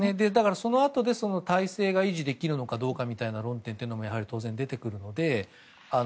そのあとで、体制が維持できるのかどうかみたいな論点も当然、出てくるので。